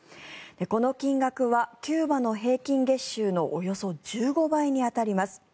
この金額はキューバの平均月収のおよそ１５倍に当たります。